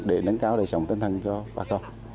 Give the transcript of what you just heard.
để nâng cao đời sống tinh thần cho bà con